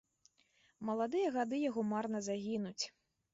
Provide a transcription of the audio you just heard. Маладыя гады яго марна загінуць.